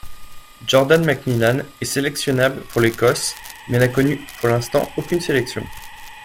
Jordan McMillan est sélectionnable pour l'Écosse mais n'a connu pour l'instant aucune sélection.